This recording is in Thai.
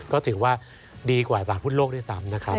ก็ถือว่าดีกว่าตลาดหุ้นโลกด้วยซ้ำนะครับ